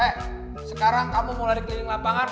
hei sekarang kamu mau lari keliling lapangan